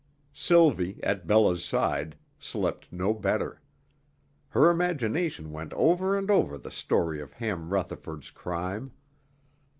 Sylvie, at Bella's side, slept no better. Her imagination went over and over the story of Ham Rutherford's crime.